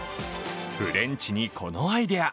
フレンチにこのアイデア。